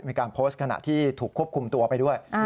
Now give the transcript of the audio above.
มีการโพสต์ขณะที่ถูกควบคุมตัวไปด้วย